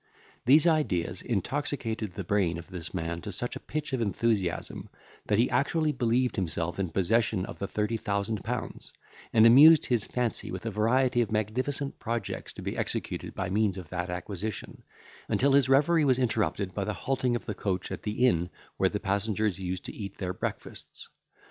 These ideas intoxicated the brain of this man to such a pitch of enthusiasm, that he actually believed himself in possession of the thirty thousand pounds, and amused his fancy with a variety of magnificent projects to be executed by means of that acquisition, until his reverie was interrupted by the halting of the coach at the inn where the passengers used to eat their breakfasts.